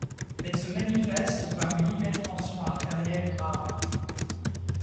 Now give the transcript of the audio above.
Elle se manifeste par une hypertension artérielle grave.